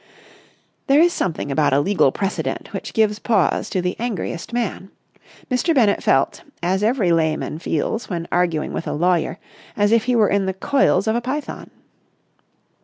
There is something about a legal precedent which gives pause to the angriest man. Mr. Bennett felt, as every layman feels when arguing with a lawyer, as if he were in the coils of a python.